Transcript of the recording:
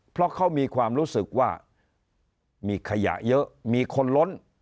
เพราะเขามีความรู้สึกว่ามีขยะเยอะมีคนล้น